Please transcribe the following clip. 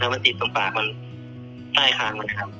ถ้ามันติดตรงปากมันได้ข้างมันครับ